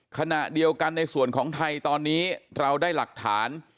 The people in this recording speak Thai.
ขณะเดียวกันในส่วนของไทยตอนนี้เราได้หลักฐาน